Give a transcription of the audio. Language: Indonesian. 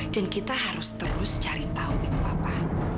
dan kita harus terus cari tahu itu apa